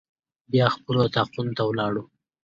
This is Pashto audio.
بیا خپلو اطاقونو ته ولاړو.